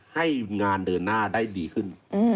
ให้งานเดินหน้าได้ดีขึ้น